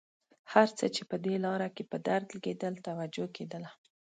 هر څه چې په دې لاره کې په درد لګېدل توجه کېدله.